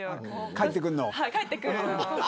返ってくるのを。